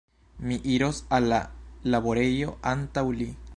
Mi iros al la laborejo antaŭ li.